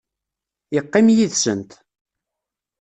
Yeqqim yid-sent.